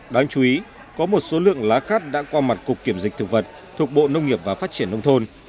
đáng chú ý có một số lượng lá khát đã qua mặt cục kiểm dịch thực vật thuộc bộ nông nghiệp và phát triển nông thôn